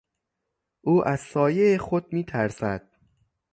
او از سایهٔ خود میترسد.